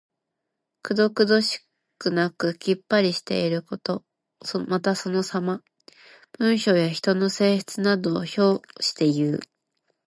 くどくどしくなくきっぱりしていること。また、そのさま。文章や人の性質などを評していう。